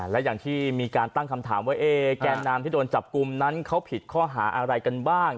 และอย่างที่มีการตั้งคำถามว่าแกนนำที่โดนจับกลุ่มนั้นเขาผิดข้อหาอะไรกันบ้าง